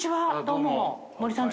どうも。